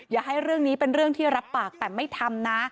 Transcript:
อย่าให้เรื่องนี้เป็นเรื่องที่รับปากแต่ไม่ทำนะ